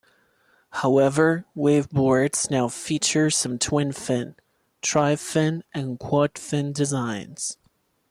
However, wave boards now feature some twin fin, tri fin and quad fin designs.